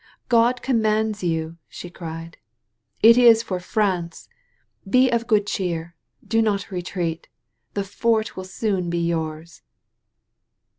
"God commands you," she cried. "It is for France. Be of good cheer. Do not retreat. The fort will soon be yours